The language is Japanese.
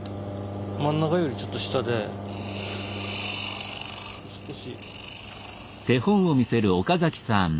真ん中よりちょっと下で少し。